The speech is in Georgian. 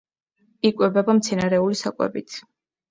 იკვებება მცენარეული საკვებით.